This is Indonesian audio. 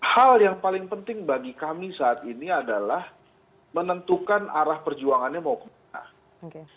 hal yang paling penting bagi kami saat ini adalah menentukan arah perjuangannya mau kemana